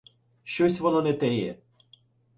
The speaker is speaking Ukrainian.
Щось воно не теє.